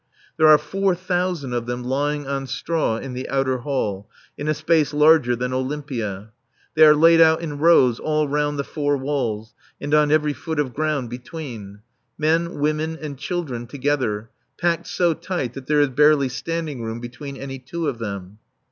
There are four thousand of them lying on straw in the outer hall, in a space larger than Olympia. They are laid out in rows all round the four walls, and on every foot of ground between; men, women and children together, packed so tight that there is barely standing room between any two of them.